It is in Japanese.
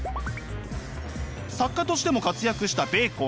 作家としても活躍したベーコン。